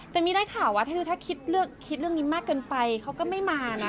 แต่มีได้ข่าวว่าถ้าดูถ้าคิดเรื่องนี้มากเกินไปเขาก็ไม่มานะ